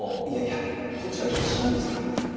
いやいやこっちは必死なんですから。